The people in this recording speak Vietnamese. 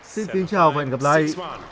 xin kính chào và hẹn gặp lại